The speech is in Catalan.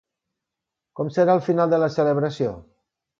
Com serà el final de la celebració?